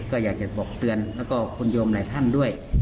ก็อยากจะบอกเตือนแล้วก็คุณโยมหลายท่านด้วย